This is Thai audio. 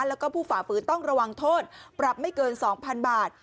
แล้วก็ผู้ฝ่าฝืนต้องระวังโทษปรับไม่เกิน๒๐๐๐บาท